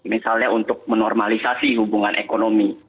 misalnya untuk menormalisasi hubungan ekonomi